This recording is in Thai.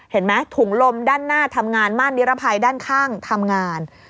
เห็นไหมถุงลมด้านหน้าทำงานม่านนิรภัยด้านข้างทำงาน